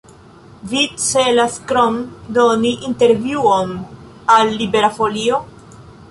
Vi celas krom doni intervjuon al Libera Folio?